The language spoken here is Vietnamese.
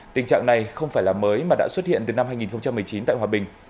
tình trạng này không phải là mới mà đã xuất hiện từ năm hai nghìn một mươi chín tại hòa bình